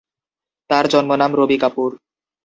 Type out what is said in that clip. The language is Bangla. তার জন্ম নাম রবি কাপুর।